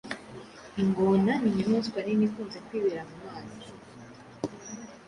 ingona n’inyamaswa nini ikunze kwibera mu mazi